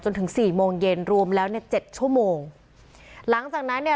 สี่โมงเย็นรวมแล้วเนี่ยเจ็ดชั่วโมงหลังจากนั้นเนี่ย